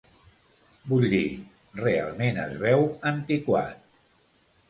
Vull dir, realment es veu antiquat.